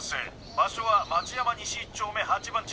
場所は町山西１丁目８番地